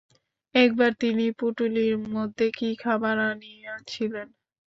একবার তিনি পুঁটুলির মধ্যে কি খাবার আনিয়াছিলেন।